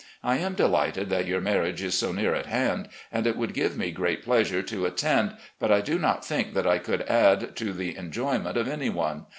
I am delighted that your marriage is so near at hand, and it would give me great pleasure to attend, but I do not think that I could add to the enjoyment of any one.